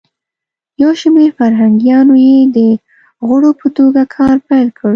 یو شمیر فرهنګیانو یی د غړو په توګه کار پیل کړ.